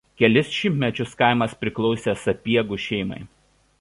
Kelis šimtmečius kaimas priklausė Sapiegų šeimai.